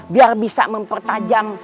biar bisa mempertajam